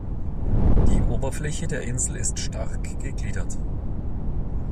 Die Oberfläche der Insel ist stark gegliedert.